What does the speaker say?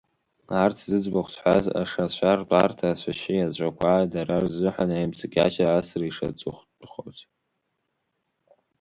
Арҭ зыӡбахә сҳәаз, Ашацәа ртәарҭа ацәашьы иаҵәақәа, дара рзыҳәан, аимҵакьача асра ишаҵыхәтәхоз.